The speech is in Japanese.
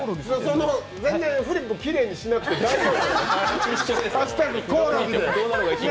全然フリップきれいにしなくて大丈夫。